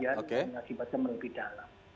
yang mengakibatkan merugikan